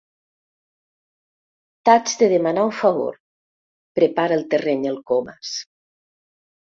T'haig de demanar un favor —prepara el terreny el Comas.